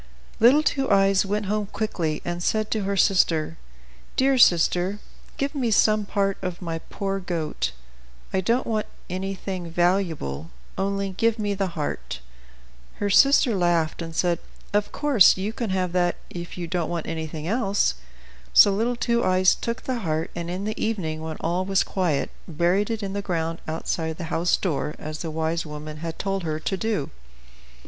Little Two Eyes went home quickly, and said to her sister, "Dear sister, give me some part of my poor goat. I don't want anything valuable; only give me the heart." Her sister laughed, and said: "Of course you can have that if you don't want anything else." So little Two Eyes took the heart; and in the evening, when all was quiet, buried it in the ground outside the house door, as the wise woman had told her to do.